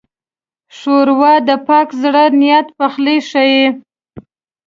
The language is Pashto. ښوروا د پاک زړه نیت پخلی ښيي.